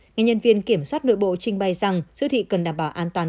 những nhân viên kiểm soát nội bộ trình bày rằng siêu thị cần đảm bảo an toàn